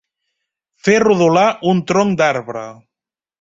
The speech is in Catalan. Fer rodolar un tronc d'arbre.